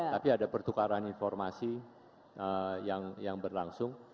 tapi ada pertukaran informasi yang berlangsung